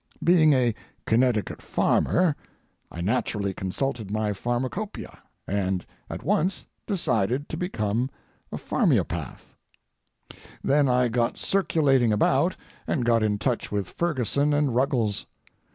Being a Connecticut farmer, I naturally consulted my farmacopia, and at once decided to become a farmeopath. Then I got circulating about, and got in touch with Ferguson and Ruggles.